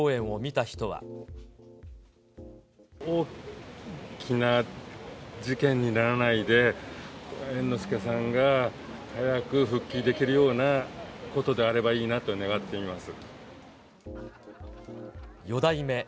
大きな事件にならないで、猿之助さんが早く復帰できるようなことであればいいなと願っています。